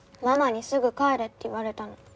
ママにすぐ帰れって言われたの。